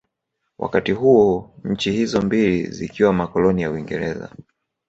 Wakati huo nchi hizo mbili zikiwa makoloni ya Uingereza